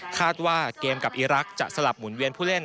คาดว่าเกมกับอีรักษ์จะสลับหมุนเวียนผู้เล่น